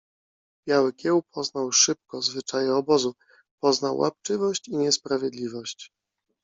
Biały Kieł poznał szybko zwyczaje obozu. Poznał łapczywość i niesprawiedliwość